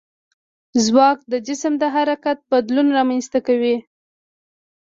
ځواک د جسم د حرکت بدلون رامنځته کوي.